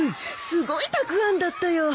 すごいたくあんだったよ。